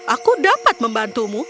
aku dapat membantumu